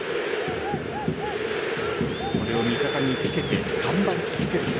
これを味方につけて頑張り続けるか。